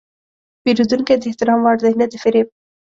پیرودونکی د احترام وړ دی، نه د فریب.